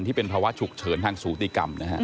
ที่เป็นภาวะฉุกเฉินทางสูติกรรมนะฮะ